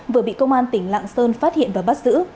vừa bị công an tỉnh lạng sơn phát hiện và bắt giữ